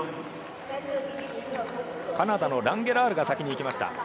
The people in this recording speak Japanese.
カナダのランゲラールが先に行きました。